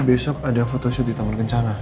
besok ada photoshoot di taman kencana